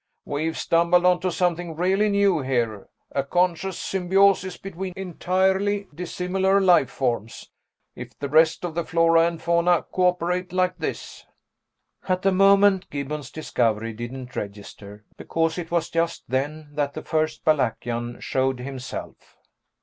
"We've stumbled onto something really new here, a conscious symbiosis between entirely dissimilar life forms! If the rest of the flora and fauna cooperate like this...." At the moment, Gibbons' discovery didn't register, because it was just then that the first Balakian showed himself.